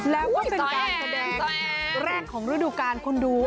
แล้วสดแกรท์การแสดงแรกของฤดูการคุณดู